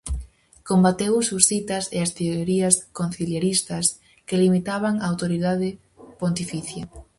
Combateu os husitas e as teorías conciliaristas, que limitaban a autoridade pontificia.